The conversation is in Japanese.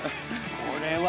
これは。